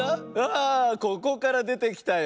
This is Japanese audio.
あここからでてきたよ。